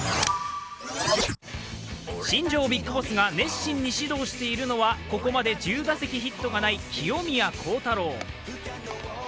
新庄ビッグボスが熱心に指導しているのは、ここまで１０打席ヒットがない清宮幸太郎。